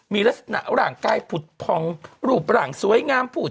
มีลักษณะหลังใกล้ผุดผองรูปหลังสวยงามผูด